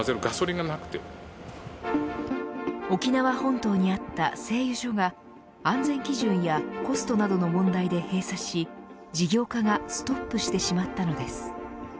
沖縄本島にあった製油所が安全基準やコストなどの問題で閉鎖し事業化がストップしてしまったのです。